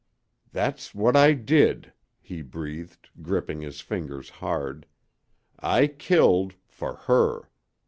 "That's what I did," he breathed, gripping his fingers hard. "I killed for her.